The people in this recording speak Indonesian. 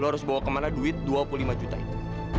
lo harus bawa kemana duit dua puluh lima juta itu